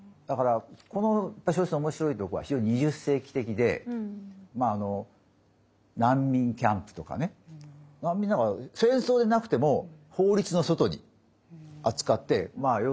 だからこの小説の面白いとこは非常に２０世紀的でまあ難民キャンプとかね難民なんか戦争でなくても法律の外に扱ってまあ